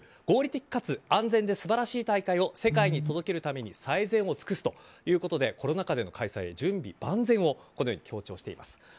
合理的かつ安全で素晴らしい大会を世界に届けるために最善を尽くすということでコロナ禍での開催に準備万端をこのように強調しています。